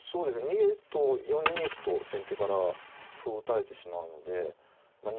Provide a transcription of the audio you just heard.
逃げると４二歩と先手から歩を打たれてしまうのでまあ